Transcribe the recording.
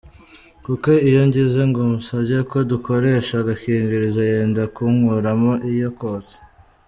Kuko iyo ngize ngo musabye ko dukoresha agakingirizo, yenda kunkuramo iyo kotsa.